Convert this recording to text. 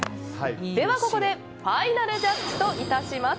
ここでファイナルジャッジといたします。